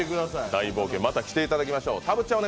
大冒険、また来ていただきましょう。